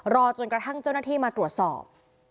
รอจนกระทั่งเจ้าหน้าที่มาตรวจสอบ